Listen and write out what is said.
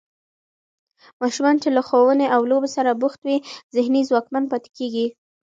ماشومان چې له ښوونې او لوبو سره بوخت وي، ذهني ځواکمن پاتې کېږي.